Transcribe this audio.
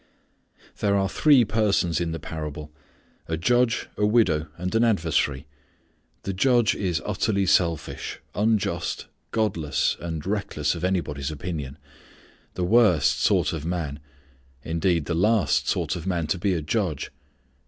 There are three persons in the parable; a judge, a widow, and an adversary. The judge is utterly selfish, unjust, godless, and reckless of anybody's opinion. The worst sort of man, indeed, the last sort of man to be a judge.